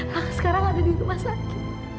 raka sekarang ada di rumah sakti